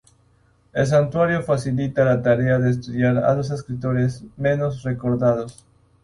El santuario facilita la tarea de estudiar a los escritores menos recordados.